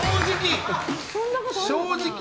正直。